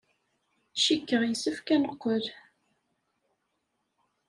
Cikkeɣ yessefk ad neqqel.